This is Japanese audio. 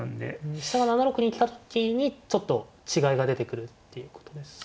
飛車が７六に来た時にちょっと違いが出てくるってことですかね。